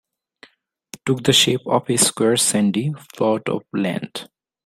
Took the shape of a square sandy plot of land.